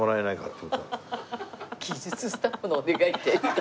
技術スタッフのお願いって。